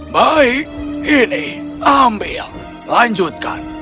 baik ini ambil lanjutkan